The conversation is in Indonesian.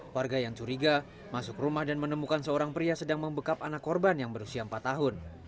warga yang curiga masuk rumah dan menemukan seorang pria sedang membekap anak korban yang berusia empat tahun